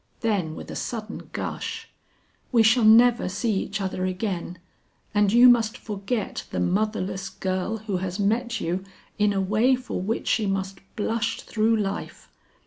Then with a sudden gush, "We shall never see each other again, and you must forget the motherless girl who has met you in a way for which she must blush through life.